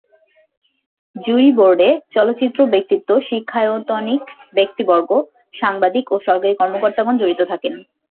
জুরি বোর্ডে চলচ্চিত্র ব্যক্তিত্ব, শিক্ষায়তনিক ব্যক্তিবর্গ, সাংবাদিক ও সরকারি কর্মকর্তাগণ জড়িত থাকেন।